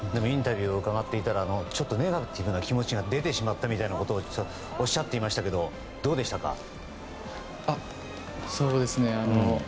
インタビューを伺っていたらネガティブな気持ちが出てしまったということをおっしゃっていましたけどどうでしたか？